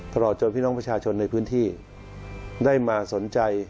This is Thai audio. ตลอดจนพี่น้องประชาชนในพื้นที่ได้มาสนใจ